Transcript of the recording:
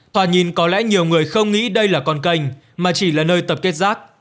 thoả nhìn có lẽ nhiều người không nghĩ đây là con kênh mà chỉ là nơi tập kết rác